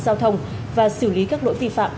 giao thông và xử lý các nỗi vi phạm